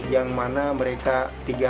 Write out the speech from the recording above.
yang mana saya menempatkan